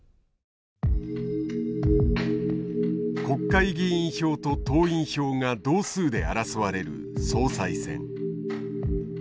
国会議員票と党員票が同数で争われる総裁選。